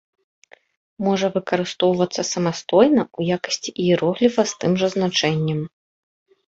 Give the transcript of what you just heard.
Можа выкарыстоўвацца самастойна ў якасці іерогліфа з тым жа значэннем.